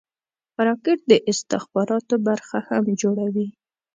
راکټ د استخباراتو برخه هم جوړوي